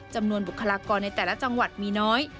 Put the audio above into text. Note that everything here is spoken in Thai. บุคลากรในแต่ละจังหวัดมีน้อย